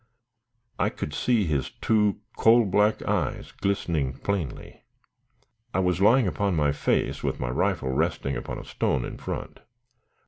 I could see his two coal black eyes glistening plainly. I was lying upon my face, with my rifle resting upon a stone in front.